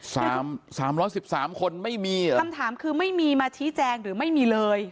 สามสามร้อยสิบสามคนไม่มีเหรอคำถามคือไม่มีมาชี้แจงหรือไม่มีเลย